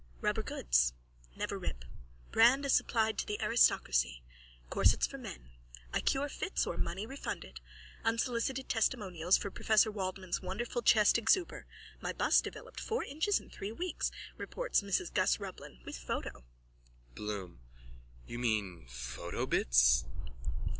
_ Rubber goods. Neverrip brand as supplied to the aristocracy. Corsets for men. I cure fits or money refunded. Unsolicited testimonials for Professor Waldmann's wonderful chest exuber. My bust developed four inches in three weeks, reports Mrs Gus Rublin with photo. BLOOM: You mean _Photo Bits?